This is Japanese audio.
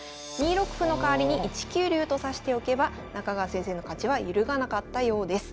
２六歩の代わりに１九竜と指しておけば中川先生の勝ちは揺るがなかったようです。